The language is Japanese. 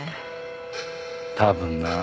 多分な。